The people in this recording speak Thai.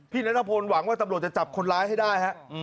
นัทพลหวังว่าตำรวจจะจับคนร้ายให้ได้ฮะ